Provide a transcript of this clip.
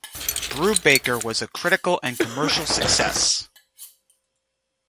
"Brubaker" was a critical and commercial success.